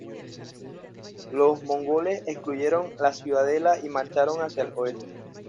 Los mongoles excluyeron la ciudadela y marcharon hacia el oeste.